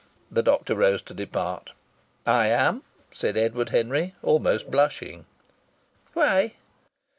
The doctor rose to depart. "I am," said Edward Henry, almost blushing. "Why?"